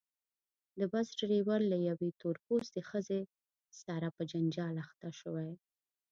د بس ډریور له یوې تور پوستې ښځې سره په جنجال اخته شوی.